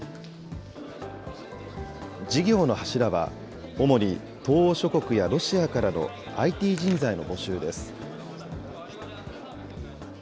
事業の柱は、主に東欧諸国やロシアからのＩＴ人材の募集です。